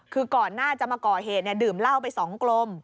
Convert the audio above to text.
คือก่อนหน้าจะมาก่อเหตุดื่มเหล้าไป๒กลม